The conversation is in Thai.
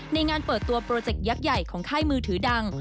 ในงานเปิดตัวโปรเจกต์ยักษ์ใหญ่ของค่ายมือถือดัง